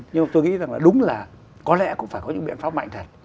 nhưng tôi nghĩ là đúng là có lẽ cũng phải có những biện pháp mạnh